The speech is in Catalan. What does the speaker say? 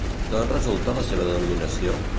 D'on resulta la seva denominació?